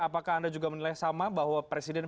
apakah anda juga menilai sama bahwa presiden